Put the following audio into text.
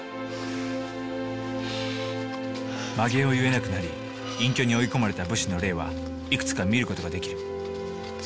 髷を結えなくなり隠居に追い込まれた武士の例はいくつか見る事ができる。